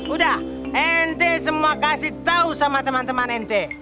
udah ente semua kasih tau sama teman teman ente